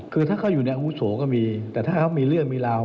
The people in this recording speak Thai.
คือถ้าเขาอยู่ในอาวุโสก็มีแต่ถ้าเขามีเรื่องมีราว